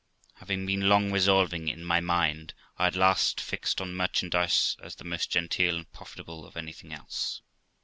Having been long resolving in my mind, I at last fixed on merchandise as the most genteel and profitable of anything else.